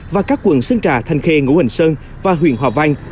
và các quận sơn trà thanh khê ngũ hành sơn và huyện hòa vang